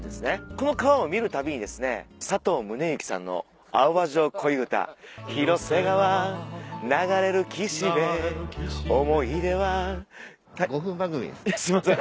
この川を見るたびにですねさとう宗幸さんの『青葉城恋唄』「広瀬川流れる岸辺」「想い出は」すいません。